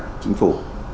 đảng chính phủ